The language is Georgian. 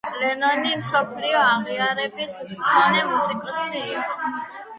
ლენონი მსოფლიო აღიარების მქონე მუსიკოსი იყო.